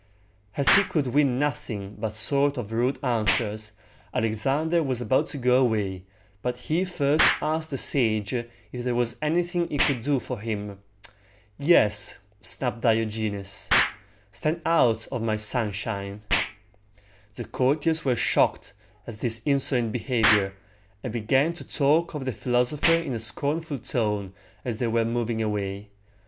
As he could win nothing but short or rude answers, Alexander was about to go away, but he first asked the sage if there was anything he could do for him. "Yes," snapped Diogenes; "stand out of my sunshine!" The courtiers were shocked at this insolent behavior, and began to talk of the philosopher in a scornful tone as they were moving away.